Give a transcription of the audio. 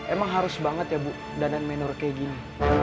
emang harus banget ya bu dandan menor kayak gini